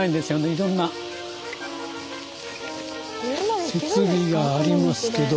いろんな設備がありますけど。